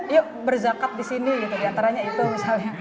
yuk berzakat di sini gitu diantaranya itu misalnya